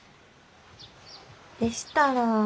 でしたら。